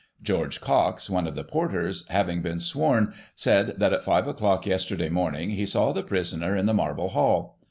George Cox, one of the porters^ having been sworn, said, that at five o'clock yesterday morning he saw the prisoner in the Marble hall.